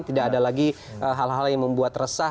tidak ada lagi hal hal yang membuat resah